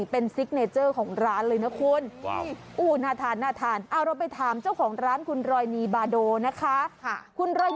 เป็นซิกเนเจอร์ของร้านเลยนะคุณ